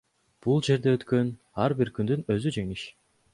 Бул жерде өткөн ар бир күндүн өзү жеңиш.